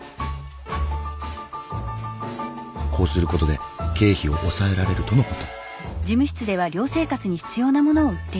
こうする事で経費を抑えられるとの事。